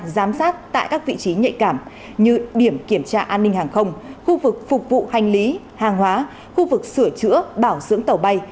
giám sát tại các vị trí nhạy cảm như điểm kiểm tra an ninh hàng không khu vực phục vụ hành lý hàng hóa khu vực sửa chữa bảo dưỡng tàu bay